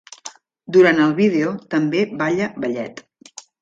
Durant el vídeo també balla ballet.